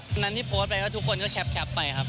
วันนั้นที่โพสต์ไปก็ทุกคนก็แคปไปครับ